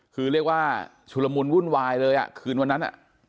คือเรียกว่าชุลมุนวุ่นวายเลยอ่ะคืนวันนั้น